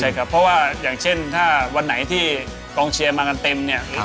ใช่ครับเพราะว่าอยน่าจะพืชว่านายที่กล่องเชียร์มไปมาเต็ม